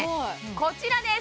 こちらです